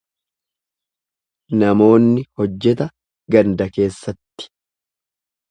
Namoonni hojjeta ganda keessatti.